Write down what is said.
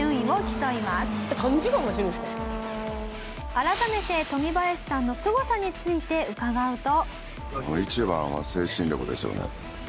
改めてトミバヤシさんのすごさについて伺うと。